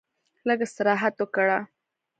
لږ استراحت وکړ.